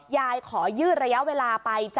ยายขอยืดระยะเวลาไป